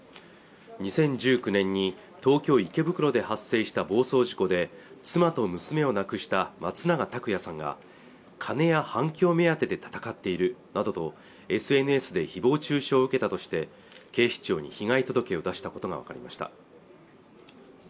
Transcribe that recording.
２０１９年に東京・池袋で発生した暴走事故で妻と娘を亡くした松永拓也さんが金や反響目当てで闘っているなどとＳＮＳでひぼう中傷を受けたとして警視庁に被害届を出したことが分かりました